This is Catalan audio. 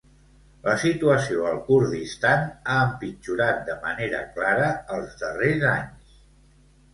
La situació al Kurdistan ha empitjorat de manera clara els darrers anys.